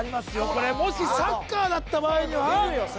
これもしサッカーだった場合には？